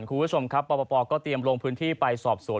คุณผู้ชมครับปปก็เตรียมลงพื้นที่ไปสอบสวน